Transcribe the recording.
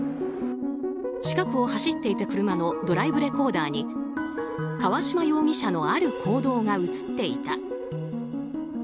近くを走っていた車のドライブレコーダーに川島容疑者のある行動が映っていた。